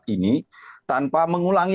ini tanpa mengulangi